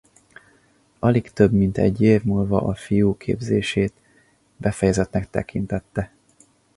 Alig több mint egy év múlva a fiú képzését befejezettnek tekintette.